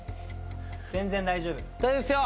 全然大丈夫。